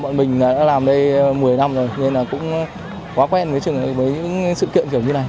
mọi người đã làm đây một mươi năm rồi nên cũng quá quen với sự kiện